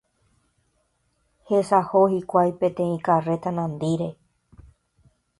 Hesaho hikuái peteĩ karréta nandíre.